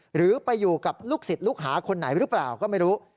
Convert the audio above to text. หรือไปอยู่กับลูกศิษย์ลูกหาคนไหนหรือเปล่าก็ไม่รู้